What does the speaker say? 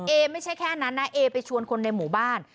เอไม่ใช่แค่นั้นนะเอไปชวนคนในหมู่บ้าน